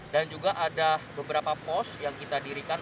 juga ada beberapa pos yang kita dirikan